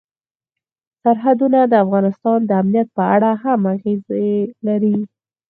سرحدونه د افغانستان د امنیت په اړه هم اغېز لري.